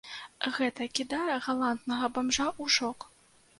Гэта кідае галантнага бамжа ў шок.